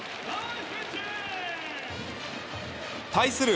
対する